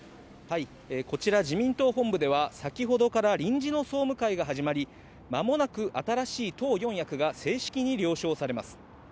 こちら自民党本部では先ほどから臨時の総務会が始まり、間もなく新しい党４役が正式に了承されます。